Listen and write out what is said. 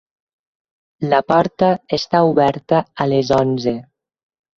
La porta està oberta a les onze.